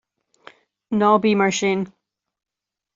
Ná bí mar sin.